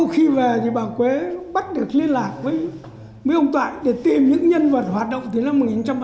khi về thì bà quế bắt được liên lạc với ông toại để tìm những nhân vật hoạt động từ năm một nghìn chín trăm ba mươi sáu